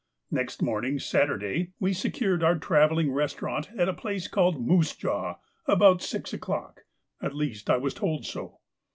Next morning, Saturday, we secured our travelling restaurant at a place called Moosejaw about six o'clock—at least I was told so.